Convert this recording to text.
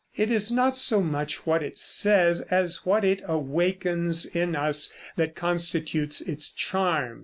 It is not so much what it says as what it awakens in us that constitutes its charm.